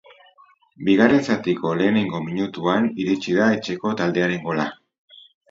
Bigarren zatiko lehenengo minutuan iritsi da etxeko taldearen gola.